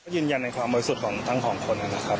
ยืนยันในความรู้สึกของทั้งของคนนั้นนะครับ